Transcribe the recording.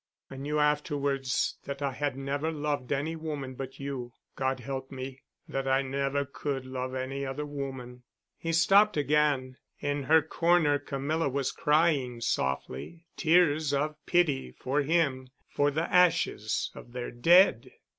I knew afterward that I had never loved any woman but you—God help me—that I never could love any other woman——" He stopped again. In her corner Camilla was crying softly—tears of pity for him, for the ashes of their dead.